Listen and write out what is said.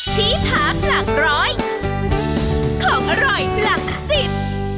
ทีพาสรรคร้อยของอร่อยหลักสิบ